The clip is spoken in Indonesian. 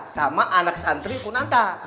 sama anak santri pun antar